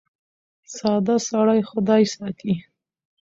ساده سړی خدای ساتي .